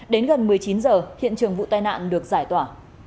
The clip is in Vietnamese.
đến gần một mươi chín giờ hiện trường vụ tai nạn được giải tỏa